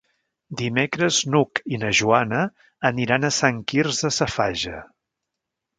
Dimecres n'Hug i na Joana aniran a Sant Quirze Safaja.